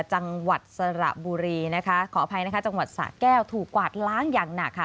จังหวัดสระบุรีนะคะขออภัยนะคะจังหวัดสะแก้วถูกกวาดล้างอย่างหนักค่ะ